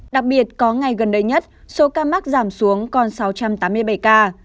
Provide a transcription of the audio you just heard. đặc biệt có ngày gần đây nhất số ca mắc giảm xuống còn sáu trăm tám mươi bảy ca